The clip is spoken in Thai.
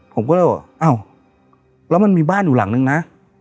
ผมก็เลยบอกอ้าวแล้วมันมีบ้านอยู่หลังนึงนะ